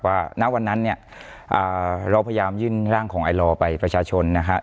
ณวันนั้นเนี่ยเราพยายามยื่นร่างของไอลอไปประชาชนนะฮะ